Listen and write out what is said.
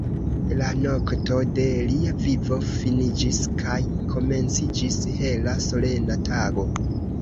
La nokto de lia vivo finiĝis, kaj komenciĝis hela, solena tago.